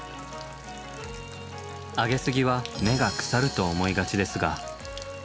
あげすぎは根が腐ると思いがちですが。